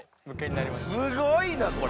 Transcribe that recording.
すごいなこれ！